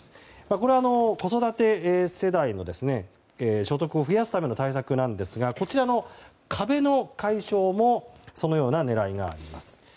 これは子育て世代の所得を増やすための対策なんですがこちらの壁の解消もそのような狙いがあります。